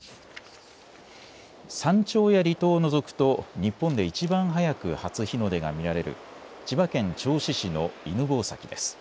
山頂や離島を除くと日本でいちばん早く初日の出が見られる千葉県銚子市の犬吠埼です。